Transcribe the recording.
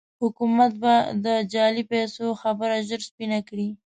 حکومت به د جعلي پيسو خبره ژر سپينه کړي.